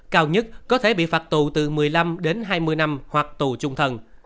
cao nhất có thể bị phạt tù từ một mươi năm đến hai mươi năm hoặc tù chung thân